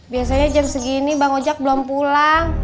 biasanya jam segini bang ojek belum pulang